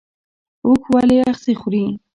اوښ ولې اغزي خوري؟